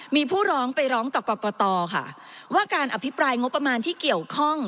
มีผู้ร้องไปร้องต่อกรกตค่ะว่าการอภิปรายงบประมาณที่เกี่ยวข้อง